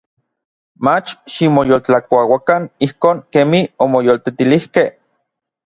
Mach ximoyoltlakuauakan ijkon kemij omoyoltetilijkej.